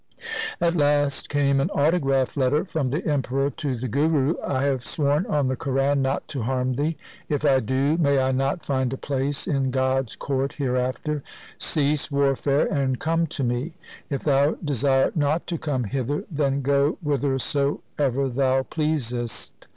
At last came an autograph letter from the Emperor to the Guru —' I have sworn on the Quran not to harm thee. If I do, may I not find a place in God's court hereafter ! Cease warfare and come to me. If thou desire not to come hither, then go whither soever thou pleasest.'